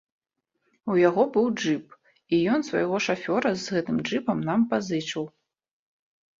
У яго быў джып, і і ён свайго шафёра з гэтым джыпам нам пазычыў.